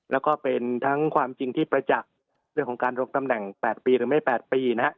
แล้วก็เป็นทั้งความจริงที่ประจักษ์เรื่องของการลงตำแหน่ง๘ปีหรือไม่๘ปีนะฮะ